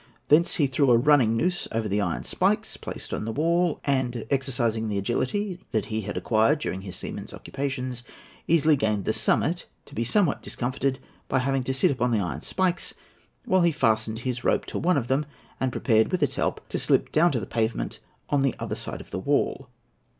Thence he threw a running noose over the iron spikes placed on the wall, and, exercising the agility that he had acquired during his seaman's occupations, easily gained the summit—to be somewhat discomfited by having to sit upon the iron spikes while he fastened his rope to one of them and prepared, with its help, to slip down to the pavement on the outer side of the wall.